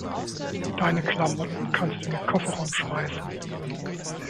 Deine Klamotten kannst du in den Kofferraum schmeißen.